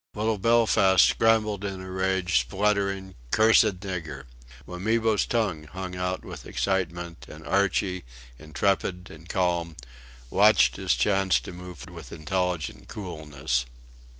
Little Belfast scrambled in a rage spluttering "cursed nigger." Wamibo's tongue hung out with excitement; and Archie, intrepid and calm, watched his chance to move with intelligent coolness.